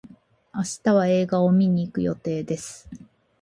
明日は映画を見に行く予定です。